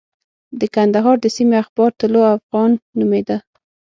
د کندهار د سیمې اخبار طلوع افغان نومېده.